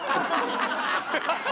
ハハハハ！